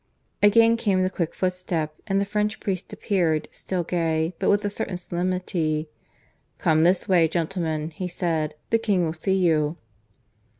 Again came the quick footstep, and the French priest appeared, still gay, but with a certain solemnity. "Come this way, gentlemen," he said. "The King will see you."